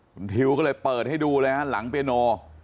คุณทิวก็เลยเปิดให้ดูเลยฮะหลังเปียโน